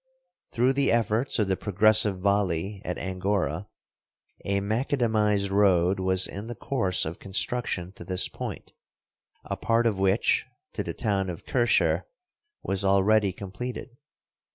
Through the efforts of the progressive Vali at Angora, a macadamized road was in the course of construction to this point, a part of which — to the town of Kirshehr — was already completed.